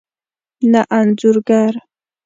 نه انځور ګر